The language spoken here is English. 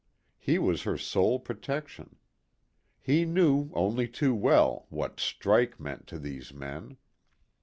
He was her sole protection. He knew, only too well, what "strike" meant to these men.